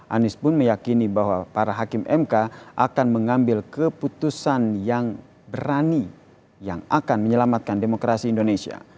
anies pun meyakini bahwa para hakim mk akan mengambil keputusan yang berani yang akan menyelamatkan demokrasi indonesia